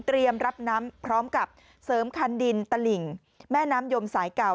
รับน้ำพร้อมกับเสริมคันดินตลิ่งแม่น้ำยมสายเก่า